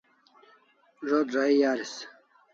Zo't rahi aris